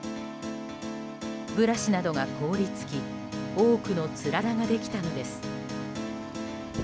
ブラシなどが凍り付き多くのつららができたのです。